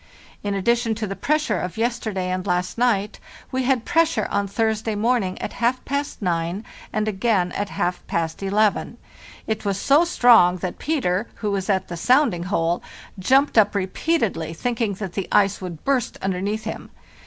In addition to the press ure of yesterday and last night, we had pressure on Thursday morning at half past nine and again at half past eleven. It was so strong that Peter, who was at the sounding hole, jumped up repeatedly, thinking that the ice would burst underneath him.